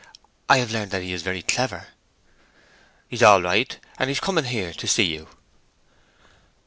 "I have learned that he is very clever." "He's all right, and he's coming here to see you."